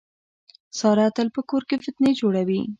ساره تل په کور کې فتنې جوړوي.